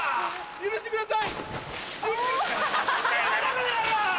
許してください！